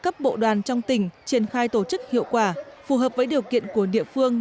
các bộ đoàn trong tỉnh triển khai tổ chức hiệu quả phù hợp với điều kiện của địa phương